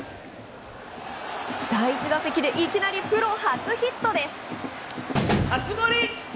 第１打席でいきなりプロ初ヒットです！